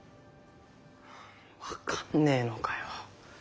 分かんねえのかよ。